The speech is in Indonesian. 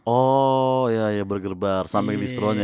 oh iya iya burger bar sampe distro nya ya